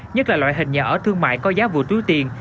nhất là loại hình nhỏ ở thương mại có giá vừa tiêu tiền